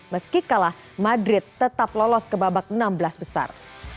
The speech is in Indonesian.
meski kalah madrid tetap lolos ke babak enam belas besar